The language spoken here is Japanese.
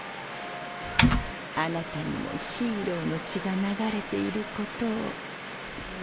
あなたにもヒーローの血が流れていることを。